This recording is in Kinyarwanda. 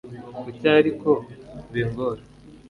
Kuki ariko bingora